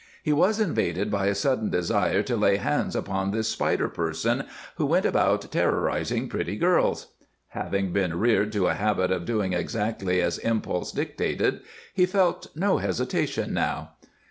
He was invaded by a sudden desire to lay hands upon this Spider person who went about terrorizing pretty girls. Having been reared to a habit of doing exactly as impulse dictated, he felt no hesitation now.